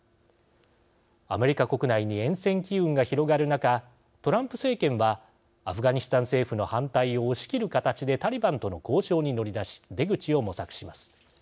アメリカ国内にえん戦気運が広がる中トランプ政権はアフガニスタン政府の反対を押し切る形でタリバンとの交渉に乗り出し出口を模索します。